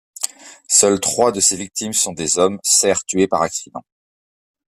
Seules trois de ses victimes sont des hommes, serfs tués par accident.